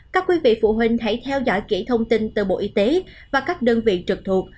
các quý vị phụ huynh hãy theo dõi kỹ thông tin từ bộ y tế và các đơn vị trực thuộc